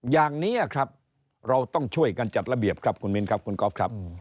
อย่างนี้ครับเราต้องช่วยกันจัดระเบียบครับคุณมินครับคุณก๊อฟครับ